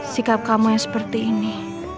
sikap kamu yang seperti ini